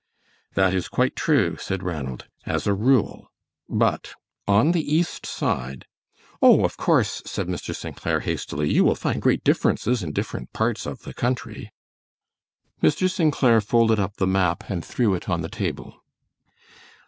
"That is quite true," said Ranald, "as a rule; but on the east side " "Oh, of course," said Mr. St. Clair, hastily, "you will find great differences in different parts of the country." Mr. St. Clair folded up the map and threw it on the table.